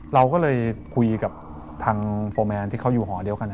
เราก็เลยคุยกับทางโฟร์แมนที่เขาอยู่หอเดียวกัน